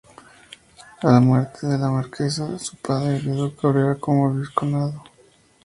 A la muerte de la marquesa, su padre heredó Cabrera como vizcondado.